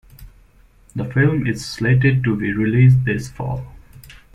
The film is slated to be released this Fall.